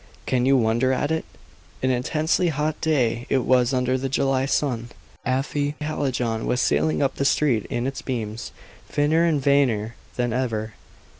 Can you wonder at it? An intensely hot day it was under the July sun. Afy Hallijohn was sailing up the street in its beams, finer and vainer than ever.